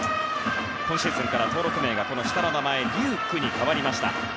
今シーズンから登録名が下の名前の龍空に変わりました。